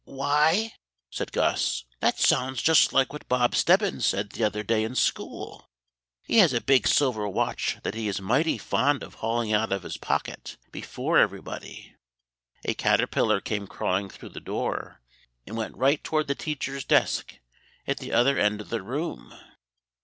"Why," said Gus, "that sounds just like what Bob Stebbins said the other day in school. He has a big silver watch that he is mighty fond of hauling out of his pocket before everybody. A caterpillar came crawling through the door, and went right toward the teacher's desk at the other end of the room.